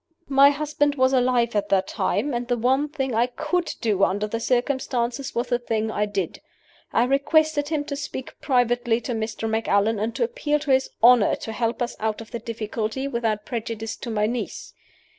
My husband was alive at that time; and the one thing I could do under the circumstances was the thing I did. I requested him to speak privately to Mr. Macallan, and to appeal to his honor to help us out of the difficulty without prejudice to my niece.